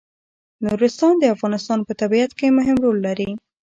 نورستان د افغانستان په طبیعت کې مهم رول لري.